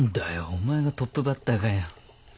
お前がトップバッターかよ。